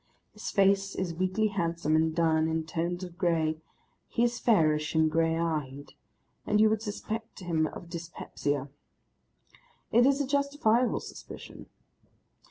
His face is weakly handsome and done in tones of grey, he is fairish and grey eyed, and you would suspect him of dyspepsia. It is a justifiable suspicion.